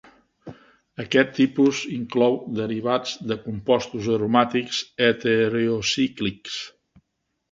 Aquest tipus inclou derivats de compostos aromàtics heterocíclics.